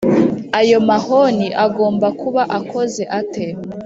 ayo mahoni agomba kuba akoze ate